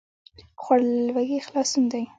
خوړل له لوږې خلاصون دی